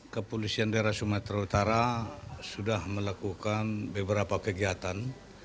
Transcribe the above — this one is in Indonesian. kepolisian daerah sumatera utara sudah melakukan beberapa kegiatan